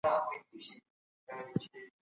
زما هیله ستاسو پرمختګ دی.